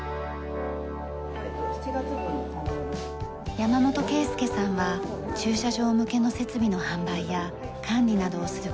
山本啓典さんは駐車場向けの設備の販売や管理などをする会社の会長です。